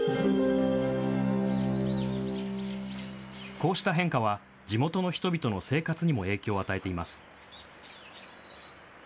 こうした変化は地元の人々の生活にも影響を与えています。